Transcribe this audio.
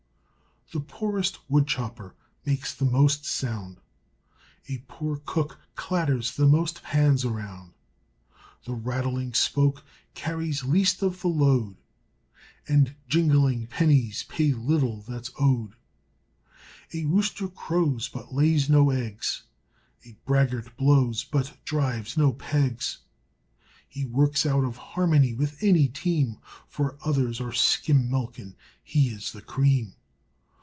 The poorest woodchopper makes the most sound; A poor cook clatters the most pans around; The rattling spoke carries least of the load; And jingling pennies pay little that's owed; A rooster crows but lays no eggs; A braggart blows but drives no pegs. He works out of harmony with any team, For others are skim milk and he is the cream.